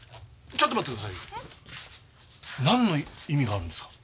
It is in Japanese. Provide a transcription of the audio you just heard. なんの意味があるんですか？